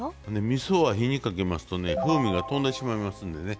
みそは火にかけますとね風味がとんでしまいますんでね